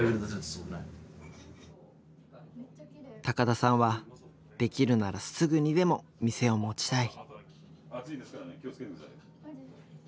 高田さんはできるならすぐにでも店を持ちたい。